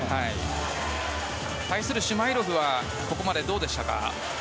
対するシュマイロフはここまで、どうでしたか？